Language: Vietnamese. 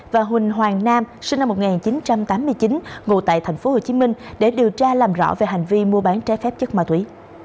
và huỳnh hoàng nam sinh năm một nghìn chín trăm tám mươi chín ngụ tại tp hcm để điều tra làm rõ về hành vi mua bán trái phép chất ma túy